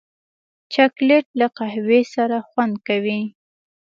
چاکلېټ له قهوې سره خوند کوي.